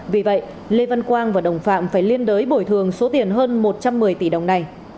vì vậy lê văn quang và đồng phạm phải liên đối bồi thường số tiền hơn một trăm một mươi tỷ đồng này